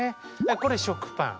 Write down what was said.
これ食パン。